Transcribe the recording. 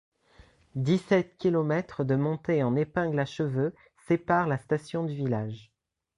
Dix-sept kilomètres de montée en épingles à cheveux séparent la station du village.